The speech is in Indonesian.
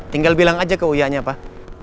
tinggal bilang aja ke uya nya pak